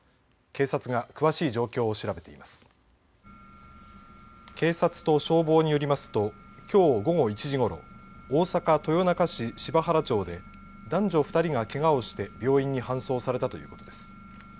警察と消防によりますときょう午後１時ごろ大阪豊中市柴原町で男女２人がけがをして病院に搬送されたということです。